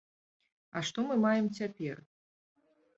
А што мы маем цяпер?